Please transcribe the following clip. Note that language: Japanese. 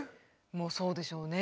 もうそうでしょうね。